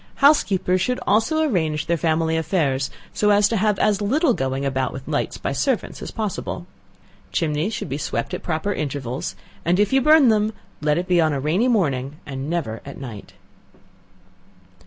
Housekeepers should also arrange their family affairs so as to have as little going about with lights by servants as possible. Chimneys should be swept at proper intervals, and if you burn them, let it be on a rainy morning and never at night.